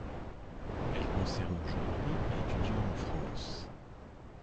Elle concerne aujourd'hui étudiants en France.